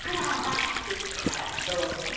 あらどうも。